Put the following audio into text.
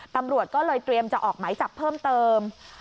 ตำรวจก็เลยเตรียมจะออกหมายจับเพิ่มเติม